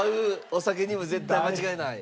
お酒にも絶対間違いない？